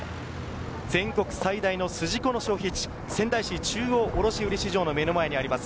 全国最大のすじこの消費地、仙台市中央卸売市場の目の前にあります